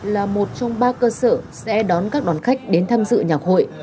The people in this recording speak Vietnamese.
là một trong ba cơ sở sẽ đón các đoàn khách đến tham dự nhạc hội